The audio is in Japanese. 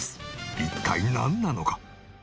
一体なんなのか？